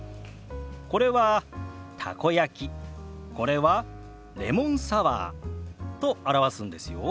これは「たこ焼き」これは「レモンサワー」と表すんですよ。